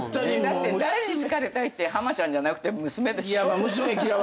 だって誰に好かれたいって浜ちゃんじゃなくて娘でしょ？